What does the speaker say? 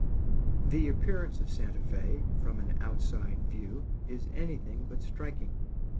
The appearance of Santa Fé, from an outside view, is anything but striking.